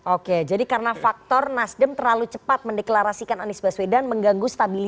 oke jadi karena faktor nasdem terlalu cepat mendeklarasikan anies baswedan mengganggu stabilitas